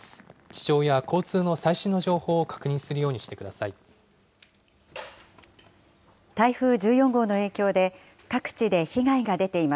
気象や交通の最新の情報を確認するようにしてください。